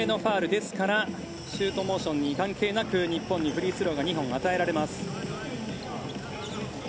ですからシュートモーションに関係なく日本にフリースローが２本与えられます。